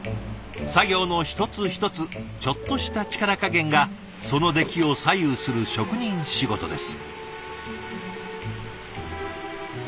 作業の一つ一つちょっとした力加減がその出来を左右する職人仕事です。